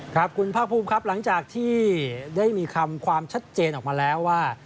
ครับคุณภาคภูมิครับหลังจากที่ได้มีคำความชัดเจนออกมาแล้วว่า